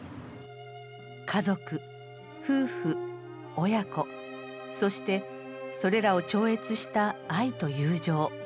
家族夫婦親子そしてそれらを超越した愛と友情。